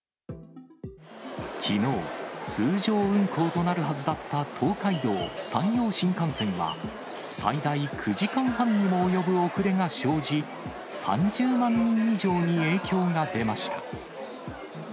きのう、通常運行となるはずだった東海道・山陽新幹線は、最大９時間半にも及ぶ遅れが生じ、３０万人以上に影響が出ました。